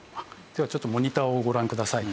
ではちょっとモニターをご覧ください。